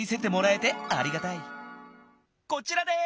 こちらです。